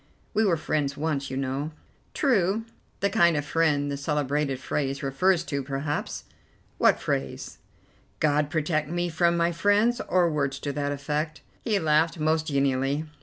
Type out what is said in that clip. We were friends once, you know." "True; the kind of friend the celebrated phrase refers to, perhaps." "What phrase?" "'God protect me from my friends,' or words to that effect." He laughed most genially.